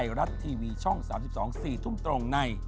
ไทยรัฐทีวีช่อง๓๒๔ทุ่มตรงใน